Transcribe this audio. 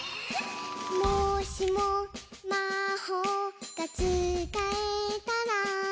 「もしもまほうがつかえたら」